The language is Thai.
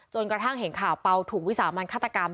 กระทั่งเห็นข่าวเปล่าถูกวิสามันฆาตกรรม